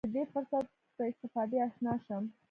له دې فرصته په استفادې اشنا شم.